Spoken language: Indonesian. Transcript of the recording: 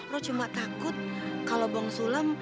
rok cuma takut kalau bang sulam